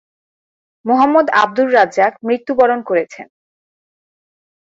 মোহাম্মদ আবদুর রাজ্জাক মৃত্যুবরণ করেছেন।